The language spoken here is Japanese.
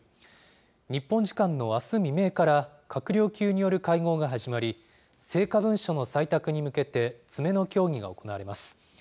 日本時間のあす未明から、閣僚級による会合が始まり、成果文書の採択に向けて、詰めの協議が行われます。